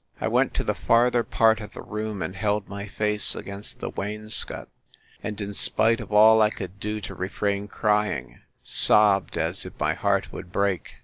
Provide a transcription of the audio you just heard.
I went to the farther part of the room, and held my face against the wainscot; and in spite of all I could do to refrain crying, sobbed as if my heart would break.